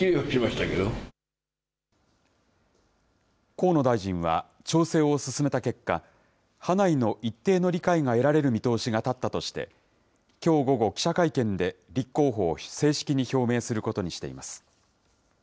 河野大臣は、調整を進めた結果、派内の一定の理解が得られる見通しが立ったとして、きょう午後、記者会見で立候補を正式に表明することにしています。